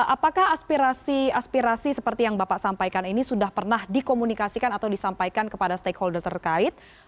apakah aspirasi aspirasi seperti yang bapak sampaikan ini sudah pernah dikomunikasikan atau disampaikan kepada stakeholder terkait